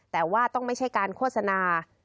แต่ว่าต้องไม่ใช่การโฆษณา